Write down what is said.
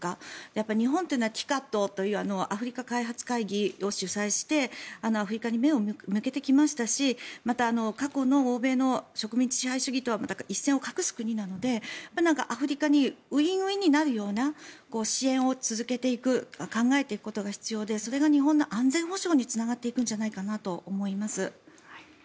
やっぱり日本というのはＴＩＣＡＤというアフリカ開発会議を主催してアフリカに目を向けてきましたしまた、過去の欧米の植民地支配主義とは一線を画す国なのでアフリカとウィンウィンになるような支援を続けていく考えていくことが必要でそれが日本の安全保障につながっていくんじゃないかなと思います。